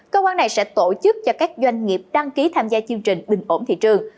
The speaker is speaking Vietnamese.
cơ quan này sẽ tổ chức cho các doanh nghiệp đăng ký tham gia chương trình bình ổn thị trường